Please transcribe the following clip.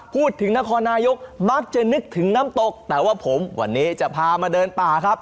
พูดถึงนครนายกมักจะนึกถึงน้ำตกแต่ว่าผมวันนี้จะพามาเดินป่าครับ